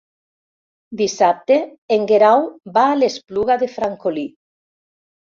Dissabte en Guerau va a l'Espluga de Francolí.